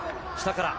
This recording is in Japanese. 下から。